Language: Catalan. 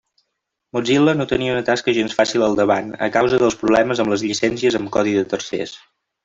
Mozilla no tenia una tasca gens fàcil al davant a causa dels problemes amb les llicències amb codi de tercers.